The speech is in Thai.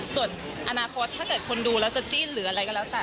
ส่วนอนาคตถ้าเกิดคนดูแล้วจะจิ้นหรืออะไรก็แล้วแต่